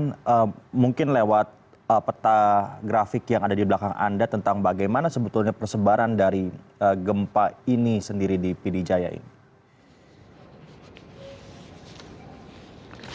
dan mungkin lewat peta grafik yang ada di belakang anda tentang bagaimana sebetulnya persebaran dari gempa ini sendiri di pdj ini